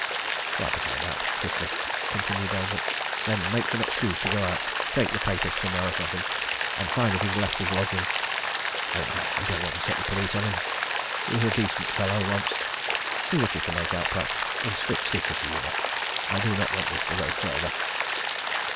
"Try to find out quickly," continued Eldrick; "Then, make some excuse to go out take papers somewhere, or something and find if he's left his lodgings! I I don't want to set the police on him. He was a decent fellow, once. See what you can make out, Pratt. In strict secrecy, you know I do not want this to go further."